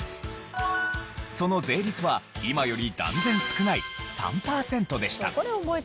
その税率は今より断然少ない３パーセントでした。